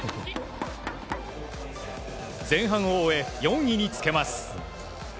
前半を終え４位につけます。